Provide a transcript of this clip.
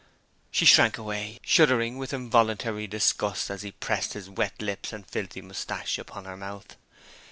She shrank away, shuddering with involuntary disgust as he pressed his wet lips and filthy moustache upon her mouth.